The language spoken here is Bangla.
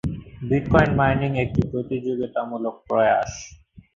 বিটকয়েন মাইনিং একটি প্রতিযোগিতামূলক প্রয়াস।